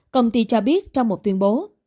công ty cho biết trong một tuyên bố